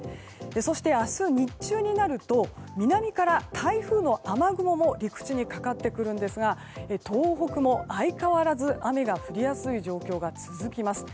そして明日日中になると南から台風の雨雲も陸地にかかってくるんですが東北も相変わらず雨が降りやすい状況が続きます。